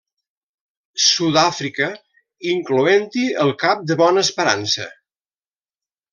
Sud-àfrica, incloent-hi el cap de Bona Esperança.